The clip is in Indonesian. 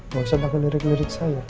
gak usah pakai lirik lirik saya